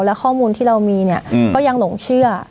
และข้อมูลที่เรามีเนี่ยก็ยังหลงเชื่อ